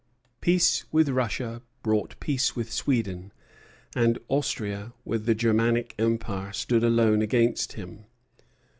Peace with Russia brought peace with Sweden, and Austria with the Germanic Empire stood alone against him.